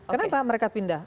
kenapa mereka pindah